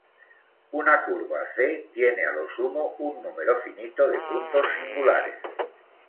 Una curva "C" tiene a lo sumo un número finito de puntos singulares.